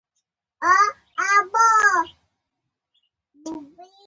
وفا او صداقت د انسان د شخصیت ګاڼه ده.